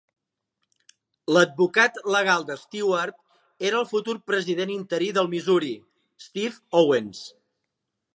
L'advocat legal de Stewart era el futur president interí del Missouri, Steve Owens.